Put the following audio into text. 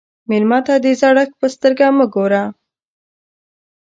مېلمه ته د زړښت په سترګه مه ګوره.